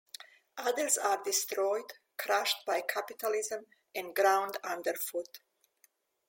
Others are destroyed, crushed by capitalism, and ground underfoot.